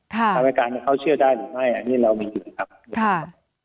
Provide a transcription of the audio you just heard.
กรรมการเขาเชื่อได้หรือไม่อันนี้เรามีอยู่ครับ